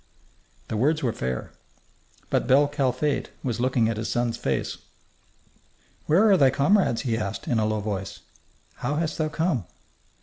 The words were fair. But bel Kalfate was looking at his son's face. "Where are thy comrades?" he asked, in a low voice. "How hast thou come?"